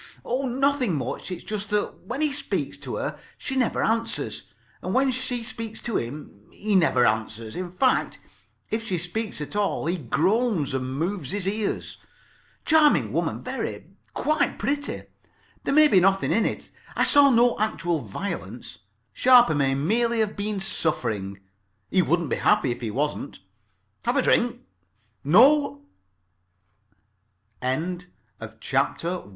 Oh, nothing much. It's just that when he speaks to her she never answers, and when she speaks to him he never answers. In fact, [Pg 3]if she speaks at all he groans and moves his ears. Charming woman, very. Quite pretty. There may be nothing in it. I saw no actual violence. Sharper may merely have been suffering. He wouldn't be happy if he wasn't. Have a drink.